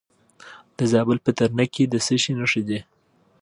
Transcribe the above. د زابل په ترنک کې د څه شي نښې دي؟